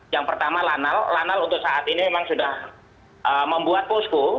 yang pertama lanal untuk saat ini memang sudah membuat posko